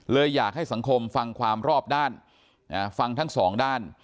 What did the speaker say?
อยากให้สังคมฟังความรอบด้านฟังทั้งสองด้าน